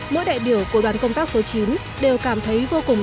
mỗi đại biểu của đoàn công tác số chín đều cảm thấy vô cùng